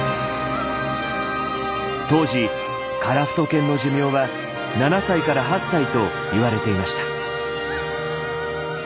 当時カラフト犬の寿命は７歳から８歳と言われていました。